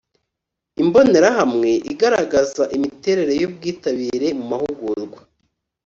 imbonerahamwe igaragaza imiterere y ubwitabire mu mahugurwa